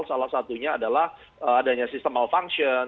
salah satunya adalah adanya system malfunction